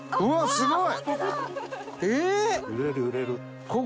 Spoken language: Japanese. すごい！